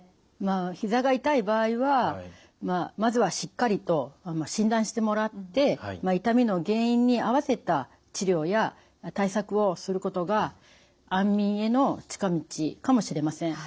ひざが痛い場合はまずはしっかりと診断してもらって痛みの原因に合わせた治療や対策をすることが安眠への近道かもしれません。